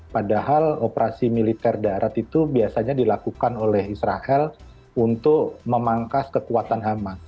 padahal operasi militer darat itu biasanya dilakukan oleh israel untuk memangkas kekuatan hama